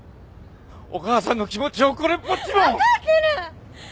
お母さんの気持ちをこれっぽっちも。